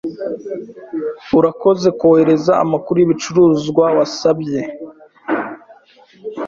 Urakoze kohereza amakuru yibicuruzwa wasabwe.